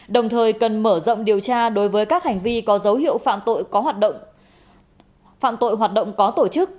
đồng thời cần mở rộng điều tra đối với các hành vi có dấu hiệu phạm tội hoạt động có tổ chức